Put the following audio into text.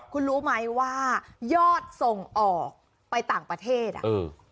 คุณรู้ไหมว่ายอดส่งออกไปต่างประเทศอ่ะเออ